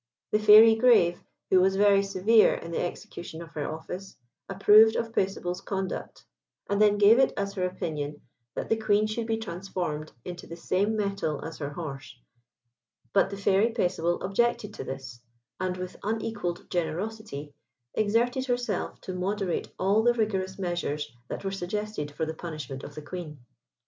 The Fairy Grave, who was very severe in the execution of her office, approved of Paisible's conduct, and then gave it as her opinion that the Queen should be transformed into the same metal as her horse; but the Fairy Paisible objected to this, and with unequalled generosity, exerted herself to moderate all the rigorous measures that were suggested for the punishment of the Queen.